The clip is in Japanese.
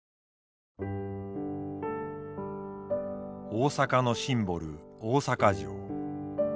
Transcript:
大阪のシンボル大阪城。